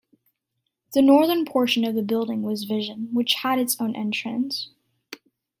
The northern portion of the building was Vision, which had its own entrance.